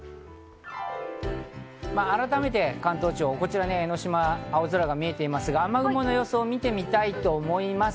改めて関東地方、こちら江の島、青空が見えていますが、雨雲の様子を見てみたいと思います。